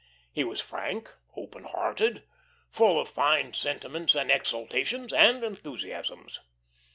He was frank, open hearted, full of fine sentiments and exaltations and enthusiasms.